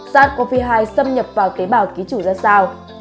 sars cov hai xâm nhập vào tế bào ký chủ ra sao